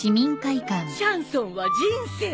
・シャンソンは人生。